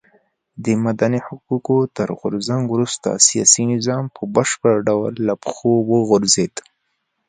د مدني حقونو تر غورځنګ وروسته سیاسي نظام په بشپړ ډول له پښو وغورځېد.